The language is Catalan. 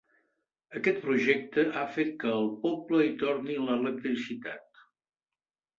Aquest projecte ha fet que al poble hi torni l'electricitat.